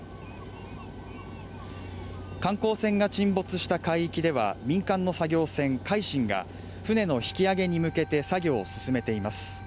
観光船が沈没した海域では民間の作業船「海進」が船の引き揚げに向けて作業を進めています